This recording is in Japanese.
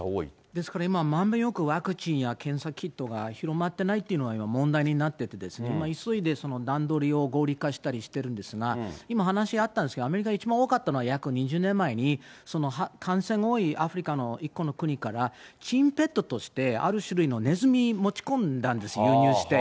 ですから、よくワクチンや検査キットが広がってないというのが問題になっていてですね、急いで段取りを合理化したりしてるんですが、今、話し合ったんですが、アメリカ、一番多かったのは約２０年前に、感染が多いアフリカの１個の国から、珍ペットとして、ある種類のネズミ、持ち込んだんです、輸入して。